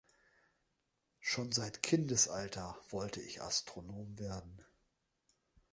Schon seit Kindesalter wollte ich Astronom werden.